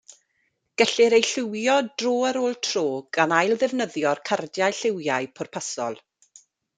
Gellir eu lliwio dro ar ôl tro, gan ailddefnyddio'r cardiau lliwio pwrpasol.